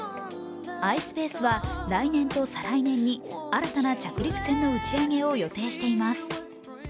ｉｓｐａｃｅは来年と再来年に新たな着陸船の打ち上げを予定しています。